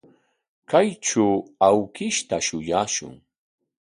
Kaytraw awkishta shuyashun.